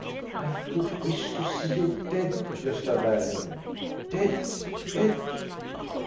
" I could wish to see you dead, Gosta Berling ! dead ! dead